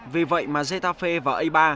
vì vậy mà zetafe và a ba